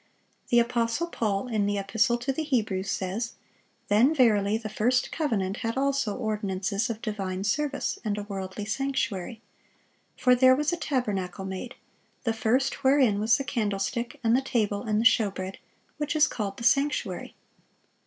The apostle Paul, in the Epistle to the Hebrews, says: "Then verily the first covenant had also ordinances of divine service, and a worldly sanctuary. For there was a tabernacle made; the first, wherein was the candlestick, and the table, and the showbread; which is called the sanctuary.